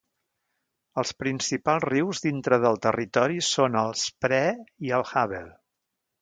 Els principals rius dintre del territori són el Spree i el Havel.